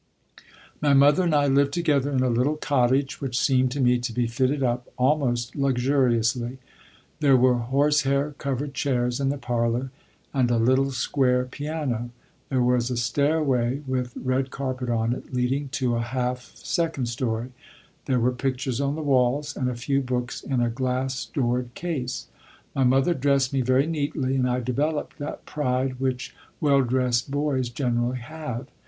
My mother and I lived together in a little cottage which seemed to me to be fitted up almost luxuriously; there were horse hair covered chairs in the parlor, and a little square piano; there was a stairway with red carpet on it leading to a half second story; there were pictures on the walls, and a few books in a glass doored case. My mother dressed me very neatly, and I developed that pride which well dressed boys generally have.